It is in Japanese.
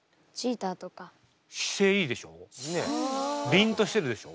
りんとしてるでしょ。